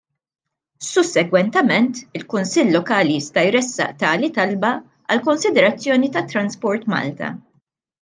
Sussegwentament il-kunsill lokali jista' jressaq tali talba għall-konsiderazzjoni ta' Transport Malta.